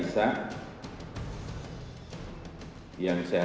yang seharusnya sudah berakhir